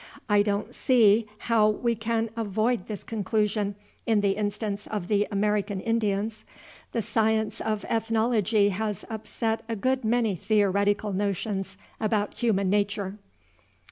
I don't see how we can avoid this conclusion in the instance of the American Indians. The science of Ethnology has upset a good many theoretical notions about human nature."